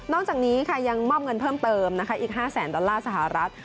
จากนี้ค่ะยังมอบเงินเพิ่มเติมนะคะอีก๕แสนดอลลาร์สหรัฐ